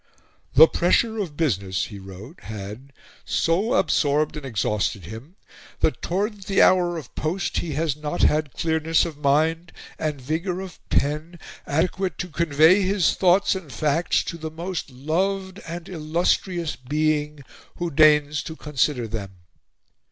"The pressure of business," he wrote, had "so absorbed and exhausted him, that towards the hour of post he has not had clearness of mind, and vigour of pen, adequate to convey his thoughts and facts to the most loved and illustrious being, who deigns to consider them."